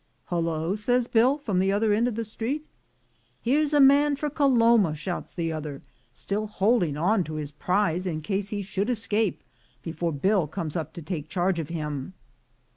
"Hullo!" says Bill from the other end of the crowd. "Here's a man for Caloma!" shouts the other, still holding on to his prize in case he should escape before Bill comes up to take charge of him.